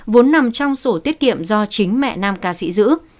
vốn nằm trong sổ tiết kiệm do chính mẹ nam ca sĩ giữ